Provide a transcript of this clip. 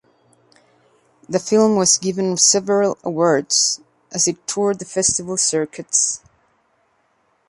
The film was given several awards as it toured the festival circuits.